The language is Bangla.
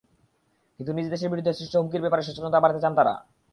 কিন্তু নিজ দেশের বিরুদ্ধে সৃষ্ট হুমকির ব্যাপারে সচেতনতা বাড়াতে চান তাঁরা।